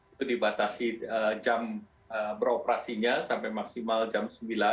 itu dibatasi jam beroperasinya sampai maksimal jam sembilan